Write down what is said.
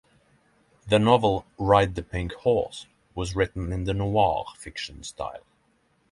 The novel "Ride the Pink Horse" was written in the noir fiction style.